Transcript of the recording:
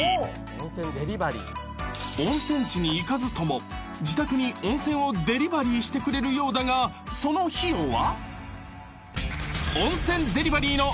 ［温泉地に行かずとも自宅に温泉をデリバリーしてくれるようだがその費用は？］